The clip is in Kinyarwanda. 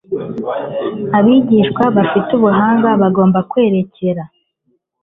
Abigisha bafite ubuhanga bagomba kwerekera